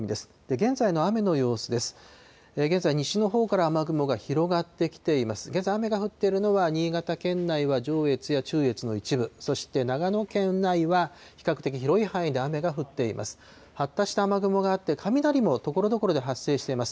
現在、雨が降っているのは、新潟県内は上越や中越の一部、そして長野県内は比較的広い範囲で雨が降っています。